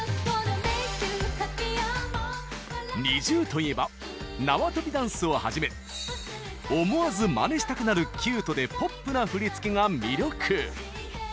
ＮｉｚｉＵといえば縄跳びダンスをはじめ思わずまねしたくなるキュートでポップな振り付けが魅力！